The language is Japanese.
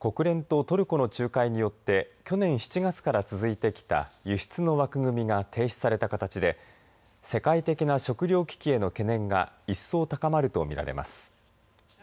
国連とトルコの仲介によって去年７月から続いてきた輸出の枠組みが停止された形で世界的な食料危機への懸念が一層、高まると見られます。